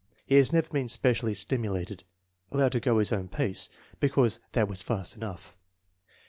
Has never been specially stimulated. Allowed to go his own pace "because that was fast enough."